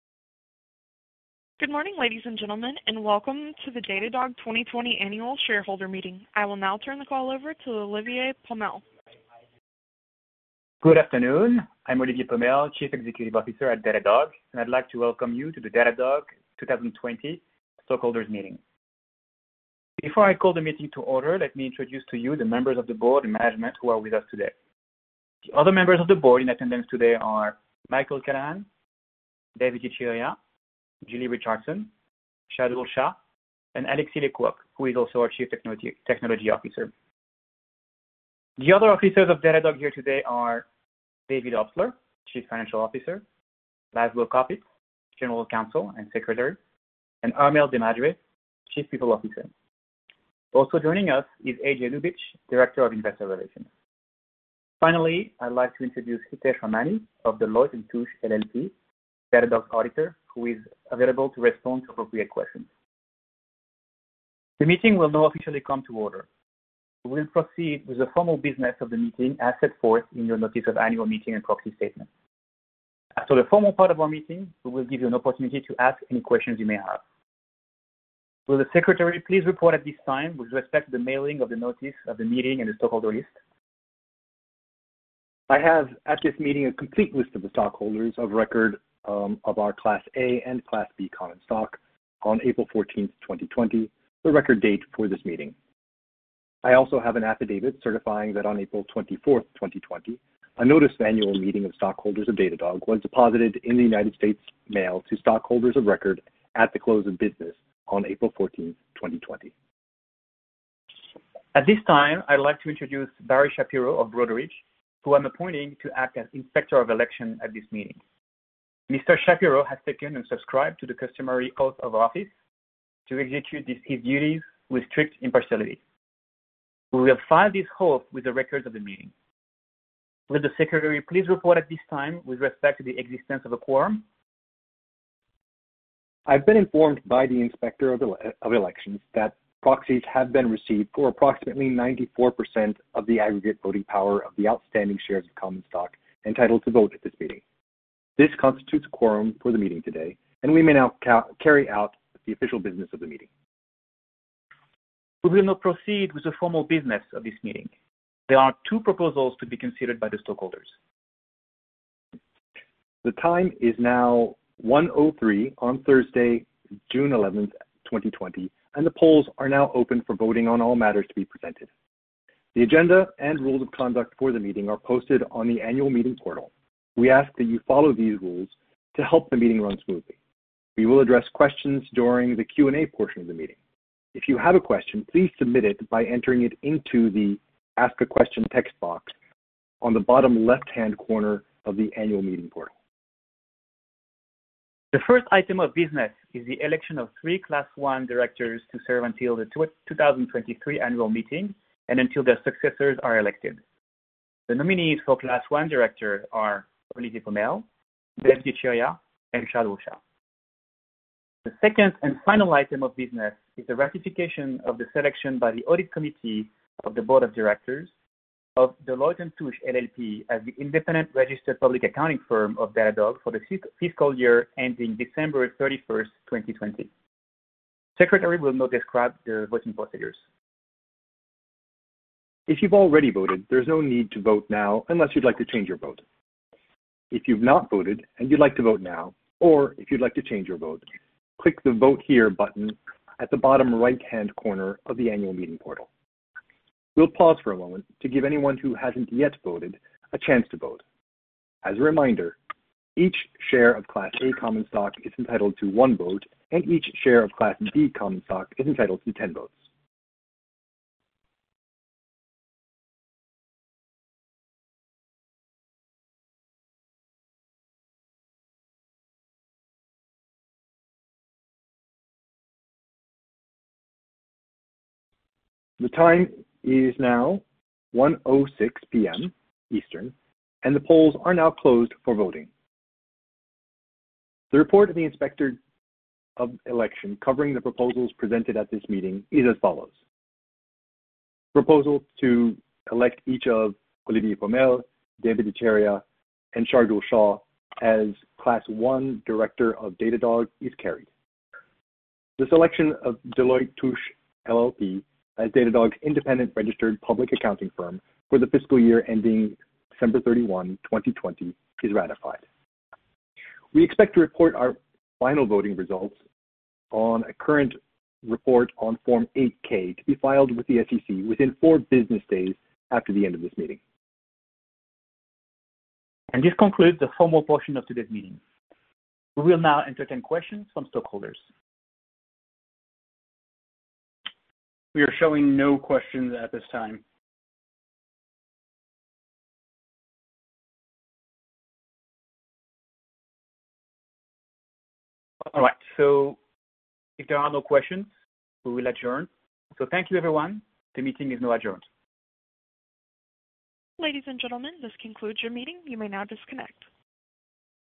Good morning, ladies and gentlemen. Welcome to the Datadog 2020 annual shareholder meeting. I will now turn the call over to Olivier Pomel. Good afternoon. I'm Olivier Pomel, Chief Executive Officer at Datadog, and I'd like to welcome you to the Datadog 2020 stockholders meeting. Before I call the meeting to order, let me introduce to you the members of the board and management who are with us today. The other members of the board in attendance today are Michael Callahan, Dev Ittycheria, Julie Richardson, Shardul Shah, and Alexis Lê-Quôc, who is also our Chief Technology Officer. The other officers of Datadog here today are David Obstler, Chief Financial Officer, Laszlo Kopits, General Counsel and Secretary, and Armelle de Madre, Chief People Officer. Also joining us is AJ Ljubich, Director of Investor Relations. Finally, I'd like to introduce Hitesh Ramani of Deloitte & Touche LLP, Datadog's Auditor, who is available to respond to appropriate questions. The meeting will now officially come to order. We'll proceed with the formal business of the meeting as set forth in your Notice of Annual Meeting and Proxy Statement. After the formal part of our meeting, we will give you an opportunity to ask any questions you may have. Will the Secretary please report at this time with respect to the mailing of the Notice of the Meeting and the stockholder list? I have at this meeting a complete list of the stockholders of record of our Class A and Class B common stock on April 14th, 2020, the record date for this meeting. I also have an affidavit certifying that on April 24th, 2020, a notice of annual meeting of stockholders of Datadog was deposited in the U.S. mail to stockholders of record at the close of business on April 14th, 2020. At this time, I'd like to introduce Barry Shapiro of Broadridge, who I'm appointing to act as Inspector of Election at this meeting. Mr. Shapiro has taken and subscribed to the customary oath of office to execute his duties with strict impartiality. We will file this oath with the records of the meeting. Will the Secretary please report at this time with respect to the existence of a quorum? I've been informed by the Inspector of Elections that proxies have been received for approximately 94% of the aggregate voting power of the outstanding shares of common stock entitled to vote at this meeting. This constitutes a quorum for the meeting today, and we may now carry out the official business of the meeting. We will now proceed with the formal business of this meeting. There are two proposals to be considered by the stockholders. The time is now 1:03 P.M. on Thursday, June 11th, 2020, and the polls are now open for voting on all matters to be presented. The agenda and rules of conduct for the meeting are posted on the annual meeting portal. We ask that you follow these rules to help the meeting run smoothly. We will address questions during the Q&A portion of the meeting. If you have a question, please submit it by entering it into the Ask a Question text box on the bottom left-hand corner of the annual meeting portal. The first item of business is the election of three Class I directors to serve until the 2023 annual meeting and until their successors are elected. The nominees for Class I director are Olivier Pomel, Dev Ittycheria, and Shardul Shah. The second and final item of business is the ratification of the selection by the Audit Committee of the Board of Directors of Deloitte & Touche LLP as the independent registered public accounting firm of Datadog for the fiscal year ending December 31st, 2020. Secretary will now describe the voting procedures. If you've already voted, there's no need to vote now unless you'd like to change your vote. If you've not voted and you'd like to vote now, or if you'd like to change your vote, click the Vote Here button at the bottom right-hand corner of the annual meeting portal. We'll pause for a moment to give anyone who hasn't yet voted a chance to vote. As a reminder, each share of Class A common stock is entitled to one vote, and each share of Class B common stock is entitled to 10 votes. The time is now 1:06 P.M. Eastern, and the polls are now closed for voting. The report of the Inspector of Election covering the proposals presented at this meeting is as follows. Proposal to elect each of Olivier Pomel, Dev Ittycheria, and Shardul Shah as Class I Director of Datadog is carried. The selection of Deloitte & Touche LLP as Datadog's independent registered public accounting firm for the fiscal year ending December 31, 2020 is ratified. We expect to report our final voting results on a current report on Form 8-K to be filed with the SEC within four business days after the end of this meeting. This concludes the formal portion of today's meeting. We will now entertain questions from stockholders. We are showing no questions at this time. All right, if there are no questions, we will adjourn. Thank you, everyone. The meeting is now adjourned. Ladies and gentlemen, this concludes your meeting. You may now disconnect.